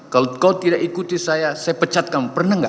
kalau tidak ikuti saya saya pecatkan pernah gak